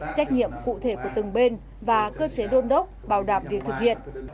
trách nhiệm cụ thể của từng bên và cơ chế đôn đốc bảo đảm việc thực hiện